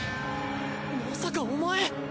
まさかお前。